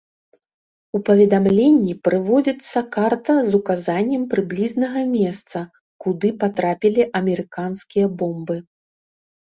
У паведамленні прыводзіцца карта з указаннем прыблізнага месца, куды патрапілі амерыканскія бомбы.